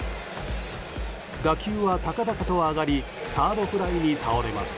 打球は高々と上がりサードフライに倒れます。